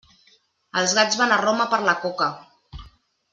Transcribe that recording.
Els gats van a Roma per la coca.